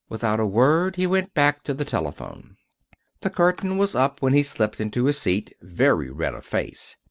Without a word he went back to the telephone. The curtain was up when he slipped into his seat, very red of face.